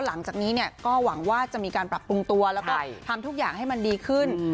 หลังจากนี้เนี่ยก็หวังว่าจะมีการปรับปรุงตัวแล้วก็ทำทุกอย่างให้มันดีขึ้น